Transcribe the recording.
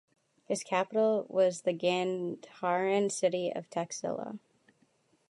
His capital was the Gandharan city of Taxila.